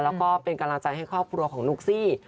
แล้วก็เป็นกำลังใจให้ครอบครัวของนุ๊กซี่